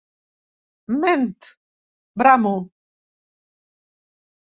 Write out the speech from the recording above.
Ment! —bramo.